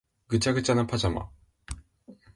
ぐちゃぐちゃなパジャマ